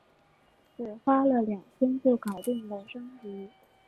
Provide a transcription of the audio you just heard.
只花了两天就搞定了升级